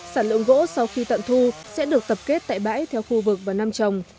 sản lượng gỗ sau khi tận thu sẽ được tập kết tại bãi theo khu vực và năm trồng